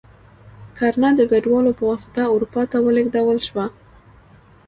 کرنه د کډوالو په واسطه اروپا ته ولېږدول شوه.